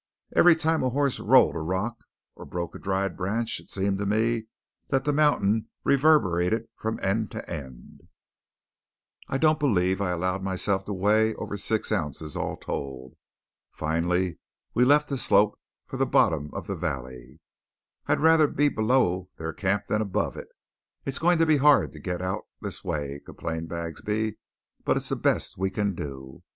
Every time a horse rolled a rock or broke a dried branch it seemed to me that the mountains reverberated from end to end. I don't believe I allowed myself to weigh over six ounces all told. Finally we left the slope for the bottom of the valley. "I'd rather be below their camp than above it. It's going to be hard to get out this way," complained Bagsby, "but it's the best we can do."